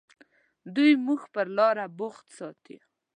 دوی موږ پر لاره بوخت ساتي.